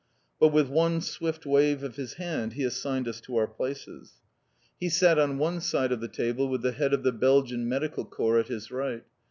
But with one swift wave of his hand he assigned us to our places. He sat on one side of the table with the Head of the Belgian Medical Corps at his right.